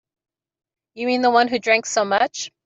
You mean the one who drank so much?